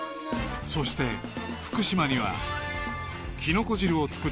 ［そして福島には］